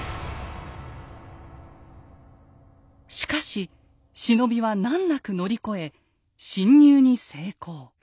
しかし忍びは難なく乗り越え侵入に成功。